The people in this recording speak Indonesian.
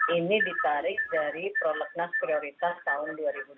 ini ditarik dari prolegnas prioritas tahun dua ribu dua puluh